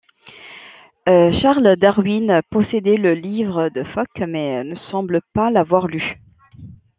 Charles Darwin possédait le livre de Focke mais ne semble pas l'avoir lu.